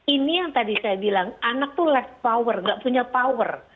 ini yang tadi saya bilang anak itu left power gak punya power